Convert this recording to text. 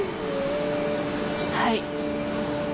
はい。